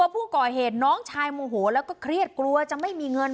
ผู้ก่อเหตุน้องชายโมโหแล้วก็เครียดกลัวจะไม่มีเงิน